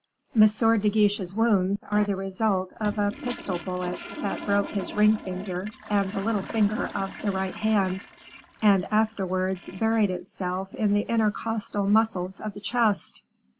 "M. de Guiche's wounds are the result of a pistol bullet that broke his ring finger and the little finger of the right hand, and afterwards buried itself in the intercostal muscles of the chest."